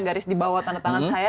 garis di bawah tanda tangan saya